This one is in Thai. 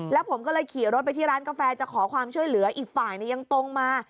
แล้วผมก็เลยขี่รถไปที่ร้านกาแฟจะขอความช่วยเหลืออีกฝ่ายยังตรงมา